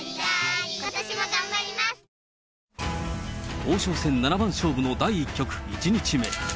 王将戦七番勝負の第１局、１日目。